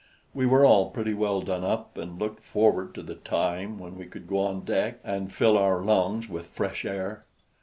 We were all pretty well done up and looked forward to the time when we could go on deck and fill our lungs with fresh air.